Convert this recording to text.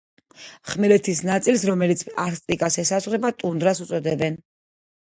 ხმელეთის ნაწილს, რომელიც არქტიკას ესაზღვრება, ტუნდრას უწოდებენ.